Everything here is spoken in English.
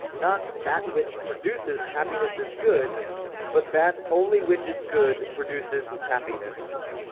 Not, That which produces happiness is good ;— but, That only ivhich is good produces happiness.